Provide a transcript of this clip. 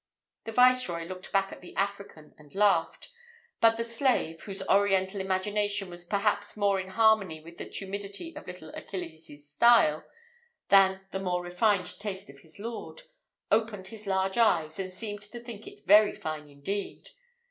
The viceroy looked back to the African and laughed; but the slave, whose Oriental imagination was perhaps more in harmony with the tumidity of little Achilles's style, than the more refined taste of his lord, opened his large eyes, and seemed to think it very fine indeed.